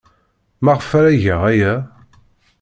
Maɣef ara geɣ aya?